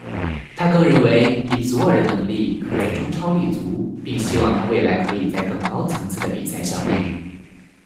他更认为以祖尔的能力可在中超立足并希望他未来可以在更高层次的比赛效力。